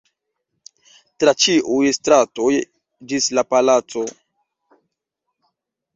tra ĉiuj stratoj ĝis la palaco.